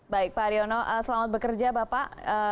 baik pak haryono selamat bekerja bapak